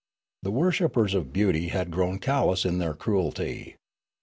The worshippers of beauty had grown callous in their cruelty.